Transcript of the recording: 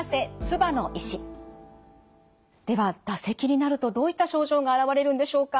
では唾石になるとどういった症状が現れるんでしょうか。